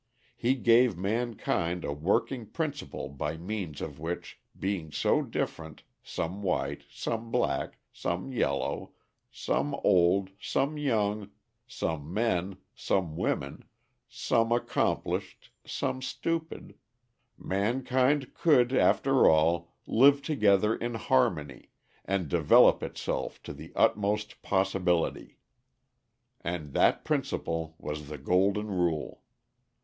He gave mankind a working principle by means of which, being so different, some white, some black, some yellow, some old, some young, some men, some women, some accomplished, some stupid mankind could, after all, live together in harmony and develop itself to the utmost possibility. And that principle was the Golden Rule.